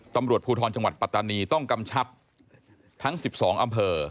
ตำรวจภูทรจังหวัดปัตตานีต้องกำชับทั้ง๑๒อำเภอ